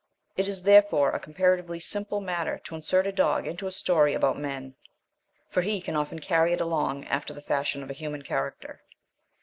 It is therefore a comparatively simple matter to insert a dog into a story about men, for he can often carry it along after the fashion of a human character.